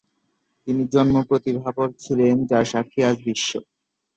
তিনি জন্ম প্রতিভাধর ছিলেন, যার সাক্ষী আজ বিশ্ব।